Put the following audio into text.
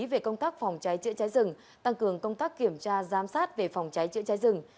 về công tác phòng cháy chữa cháy rừng tăng cường công tác kiểm tra giám sát về phòng cháy chữa cháy rừng